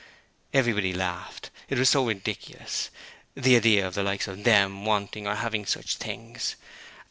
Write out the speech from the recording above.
Everybody laughed. It was so ridiculous. The idea of the likes of THEM wanting or having such things!